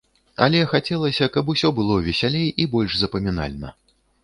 Але хацелася, каб усё было весялей і больш запамінальна.